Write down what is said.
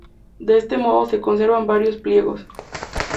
De este modo se conservan varios pliegos.